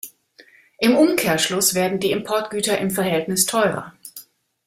Im Umkehrschluss werden die Importgüter im Verhältnis teurer.